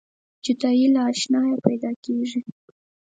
جدایي له اشناییه پیداکیږي.